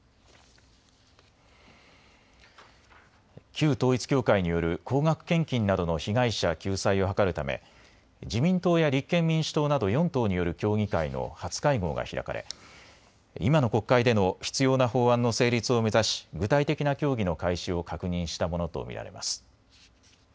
旧統一教会による高額献金などの被害者救済を図るため自民党や立憲民主党など４党による協議会の初会合が開かれ今の国会での必要な法案の成立を目指し具体的な協議の開始を確認したものと見られます。